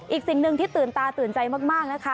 อีกสิ่งหนึ่งที่ตื่นตาตื่นใจมากนะคะ